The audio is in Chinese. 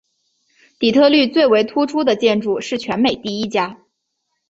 底特律最为突出的建筑是全美第一家。